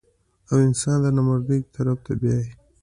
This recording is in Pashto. او انسان نامردۍ طرف ته بيائي -